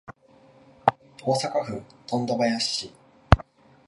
大阪府富田林市